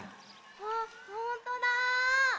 あっほんとだ！